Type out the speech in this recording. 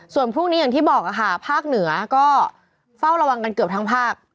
ส่วนพรุ่งนี้อย่างที่บอกค่ะภาคเหนือก็เฝ้าระวังกันเกือบทั้งภาค